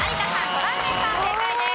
トラウデンさん正解です。